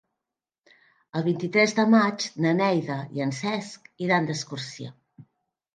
El vint-i-tres de maig na Neida i en Cesc iran d'excursió.